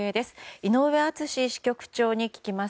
井上敦支局長に聞きます。